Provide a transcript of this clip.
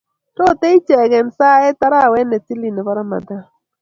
Rotei icheke eng' saet arawet ne tilil nebo Rmadhan